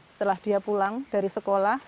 setelah dia pulang dari sekolah